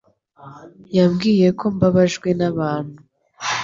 Yambwiye ko mbabajwe n'abantu